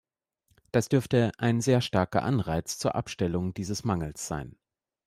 Das dürfte ein sehr starker Anreiz zur Abstellung dieses Mangels sein.